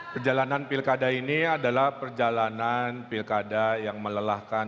perjalanan pilkada ini adalah perjalanan pilkada yang melelahkan